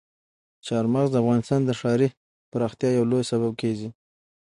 چار مغز د افغانستان د ښاري پراختیا یو لوی سبب کېږي.